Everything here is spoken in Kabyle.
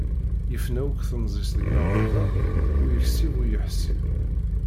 Yefna akk temẓi-s deg lɣerba ur yeksib ur yeḥsib.